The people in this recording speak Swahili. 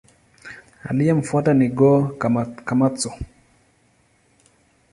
Aliyemfuata ni Go-Komatsu.